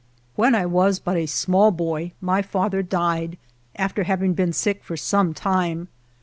35 GERONIMO When I was but a small boy my father died, after having been sick for some time.